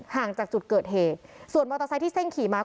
ห่างจากจุดเกิดเหตุส่วนมอเตอร์ไซค์ที่เซ่งขี่มา